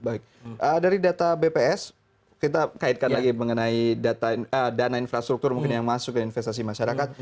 baik dari data bps kita kaitkan lagi mengenai dana infrastruktur mungkin yang masuk ke investasi masyarakat